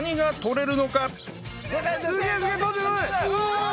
うわ！